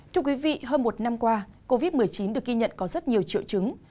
thưa quý vị hơn một năm qua covid một mươi chín được ghi nhận có rất nhiều triệu chứng